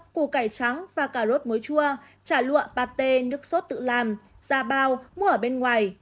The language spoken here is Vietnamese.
củ cải trắng và cà rốt muối chua chả lụa pate nước sốt tự làm da bao mua ở bên ngoài